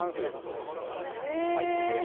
入ってて。